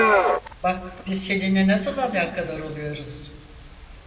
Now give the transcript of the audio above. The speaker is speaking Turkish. Bak Biz seninle nasıl alakadar oluyoruz.